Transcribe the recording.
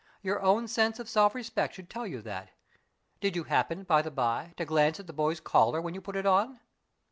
"Your own sense of self respect should tell you that. Did you happen, by the bye, to glance at the boy's collar when you put it on?"